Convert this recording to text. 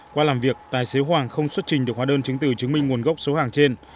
qua làm việc tài xế hoàng không xuất trình được hóa đơn chứng từ chứng minh nguồn gốc số hàng trên